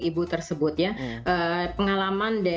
ibu tersebut pengalaman